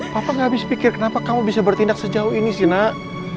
bapak gak habis pikir kenapa kamu bisa bertindak sejauh ini sih nak